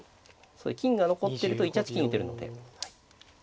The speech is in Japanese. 金が残ってると１八金打てるので。